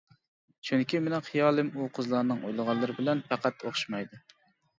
چۈنكى مېنىڭ خىيالىم ئۇ قىزلارنىڭ ئويلىغانلىرى بىلەن پەقەت ئوخشىمايدۇ.